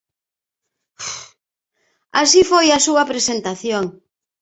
Así foi a súa presentación.